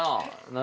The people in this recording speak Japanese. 何？